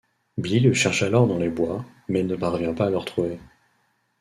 Billy le cherche alors dans les bois, mais ne parvient pas à le retrouver.